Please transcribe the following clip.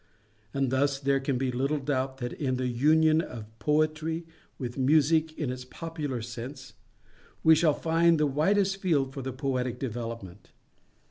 And thus there can be little doubt that in the union of Poetry with Music in its popular sense, we shall find the widest field for the Poetic development.